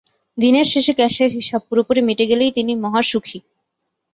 দিনের শেষে ক্যাশের হিসাব পুরোপুরি মিটে গেলেই তিনি মহাসুখী।